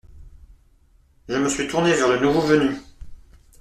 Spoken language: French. Je me suis tourné vers le nouveau venu.